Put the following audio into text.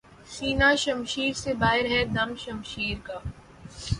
سینہٴ شمشیر سے باہر ہے دم شمشیر کا